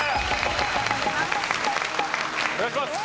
お願いします！